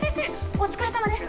お疲れさまです。